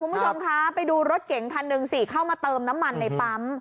คุณผู้ชมคะไปดูรถเก๋งคันหนึ่งสิเข้ามาเติมน้ำมันในปั๊ม